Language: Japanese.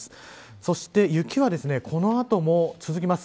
そして雪はこの後も続きます。